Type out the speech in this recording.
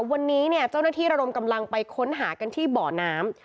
วันนี้เนี่ยเจ้าหน้าที่ระดมกำลังไปค้นหากันที่บ่อน้ำ